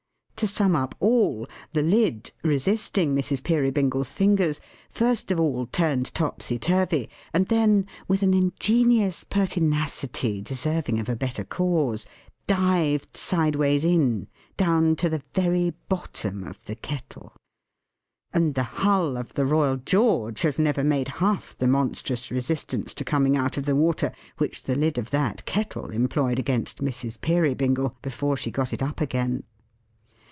To sum up all, the lid, resisting Mrs. Peerybingle's fingers, first of all turned topsy turvy, and then, with an ingenious pertinacity deserving of a better cause, dived sideways in down to the very bottom of the Kettle. And the hull of the Royal George has never made half the monstrous resistance to coming out of the water, which the lid of that Kettle employed against Mrs. Peerybingle, before she got it up again.